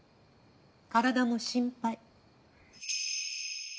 体も心配。